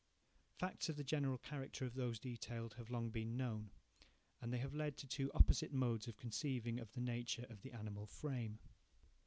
Facts of the general character of those detailed have long been known, and they have led to two opposite modes of conceiving of the nature of the animal frame.